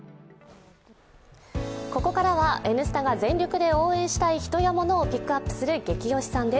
ここからは「Ｎスタ」が全力で応援したいヒトやモノをピックアップするゲキ推しさんです。